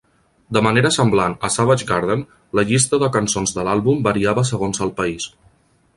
De manera semblant a "Savage Garden", la llista de cançons de l'àlbum variava segons el país.